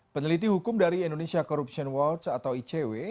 peneliti hukum dari indonesia corruption watch atau icw